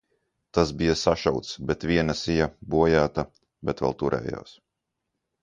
Tas bija sašauts, bet viena sija, bojāta, bet vēl turējās.